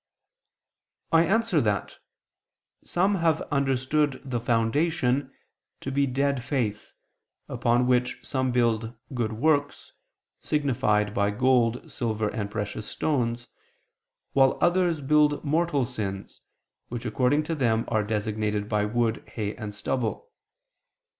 I answer that, Some have understood the "foundation" to be dead faith, upon which some build good works, signified by gold, silver, and precious stones, while others build mortal sins, which according to them are designated by wood, hay and stubble.